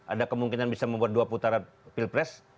ada kemungkinan bisa membuat dua putaran pilpres